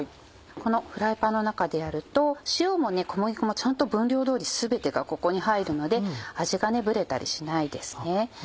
このフライパンの中でやると塩も小麦粉もちゃんと分量通り全てがここに入るので味がぶれたりしないですね。